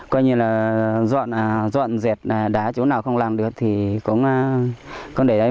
coi như là dọn dẹt đá chỗ nào không làm được thì cũng để đây